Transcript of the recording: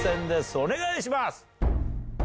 お願いします！